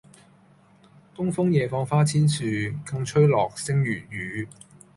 東風夜放花千樹，更吹落、星如雨